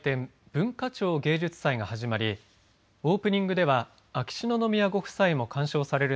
文化庁芸術祭が始まりオープニングでは秋篠宮ご夫妻も鑑賞される